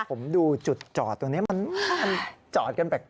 ผมดูจุดจอดตรงนี้มันจอดกันแปลก